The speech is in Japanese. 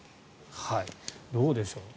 どうでしょう。